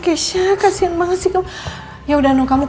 keisha kasian banget sih kamu